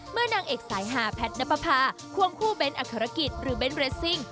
เมื่อนางเอกสายหาแพทน์น้าปะพาควงคู่เบนท์อักษรกิจหรือเบนท์เรสซิ่ง